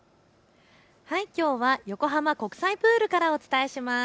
きょうは横浜国際プールからお伝えします。